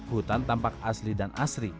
hutan tampak asli dan asri